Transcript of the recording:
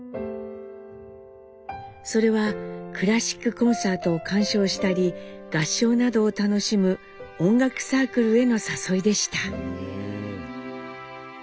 それはクラシックコンサートを鑑賞したり合唱などを楽しむ音楽サークルへの誘いでした。